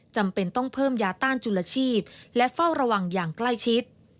จำเป็นต้องเพิ่มยาต้านจุลชีพและเฝ้าระวังอย่างใกล้ชิด